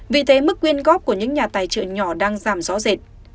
vì thế mức quyên góp của những nhà tài trợ nhỏ đang giảm rõ rệt